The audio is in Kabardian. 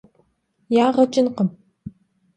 Yağe ç'ınkhım.